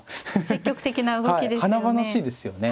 積極的な動きですよね。